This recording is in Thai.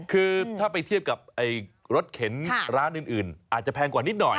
คือถ้าไปเทียบกับรถเข็นร้านอื่นอาจจะแพงกว่านิดหน่อย